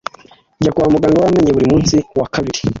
Njya kwa muganga wamenyo buri munsi wa kabiri.